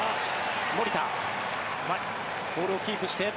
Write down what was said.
守田ボールをキープして。